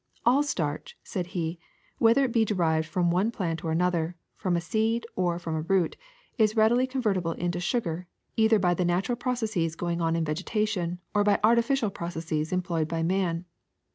^^AU starch/' said he, ^'whether it be derived from one plant or another, from a seed or from a root, is readily convertible into sugar either by the natural processes going on in vegetation or by arti ficial processes employed by man.